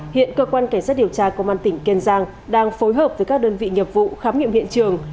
hiện cơ quan cảnh sát điều tra công an tỉnh kiên giang đang phối hợp với các đơn vị nghiệp vụ khám nghiệm hiện trường